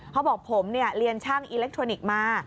เขาบอกผมเรียนช่างอิเล็กทรอนิกส์มา